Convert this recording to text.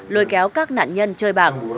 lôi kéo các nạn nhân chơi bạc